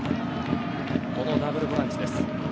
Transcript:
このダブルボランチです。